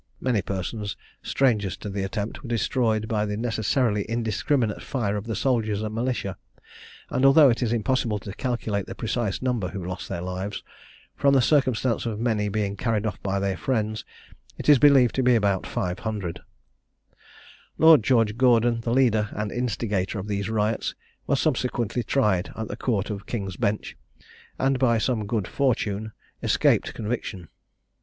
Many persons, strangers to the attempt, were destroyed by the necessarily indiscriminate fire of the soldiers and militia; and although it is impossible to calculate the precise number who lost their lives, from the circumstance of many being carried off by their friends, it is believed to be about 500. Lord George Gordon, the leader and instigator of these riots, was subsequently tried in the Court of King's Bench, and by some good fortune escaped conviction.